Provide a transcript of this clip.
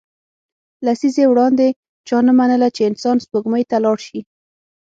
لسیزې وړاندې چا نه منله چې انسان سپوږمۍ ته لاړ شي